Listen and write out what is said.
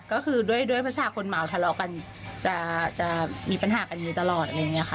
ก็คือด้วยภาษาคนเหมาทะเลาะกันจำจะมีปัญหากันนี้ตลอด